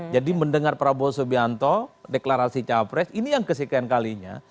jadi mendengar prabowo subianto deklarasi capres ini yang kesekian kalinya